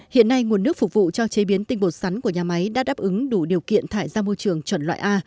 hiện nay nguồn nước phục vụ cho chế biến tinh bột sắn của nhà máy đã đáp ứng đủ điều kiện thải ra môi trường chuẩn loại a